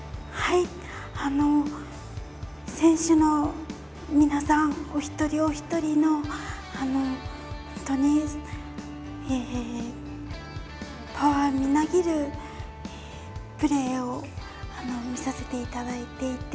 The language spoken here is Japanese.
選手の皆さんお一人お一人の本当にパワーみなぎるプレーを見させていただいていて。